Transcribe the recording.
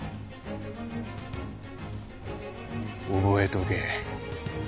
覚えとけ。